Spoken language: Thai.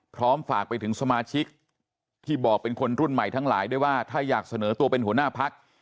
พร้อมฝากไปถึงสมาชิกที่บอกเป็นคนรุ่นใหม่ทั้งหลายด้วยว่าถ้าอยากเสนอตัวเป็นหัวหน้าพัก